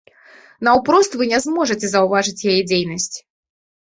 Наўпрост вы не зможаце заўважыць яе дзейнасць.